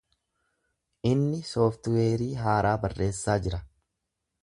Inni sooftiweerii haaraa barreessaa jira.